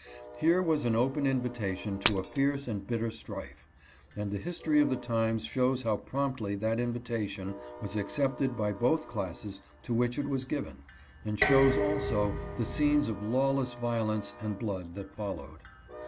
Here was an open invitation to a fierce and bitter strife ; and the his tory of the times shows how promptly that invitation was accepted by both classes to which it was given, and shows also the scenes of lawless violence and blood that followed.